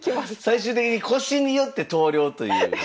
最終的に腰によって投了という。